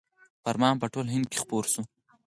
فرمان په ټول هند کې خپور شو.